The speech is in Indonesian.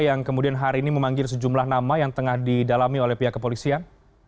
yang kemudian hari ini memanggil sejumlah nama yang tengah didalami oleh pihak kepolisian